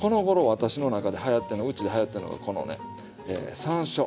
私の中ではやってんのうちではやってんのがこのねさんしょう。